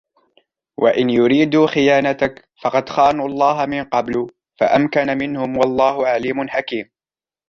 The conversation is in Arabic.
وإن يريدوا خيانتك فقد خانوا الله من قبل فأمكن منهم والله عليم حكيم